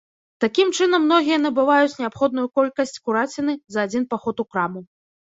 Такім чынам многія набываюць неабходную колькасць кураціны за адзін паход у краму.